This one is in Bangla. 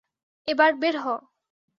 এবার, বের হ।